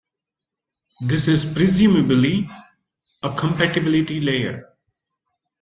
This is presumably a compatibility layer.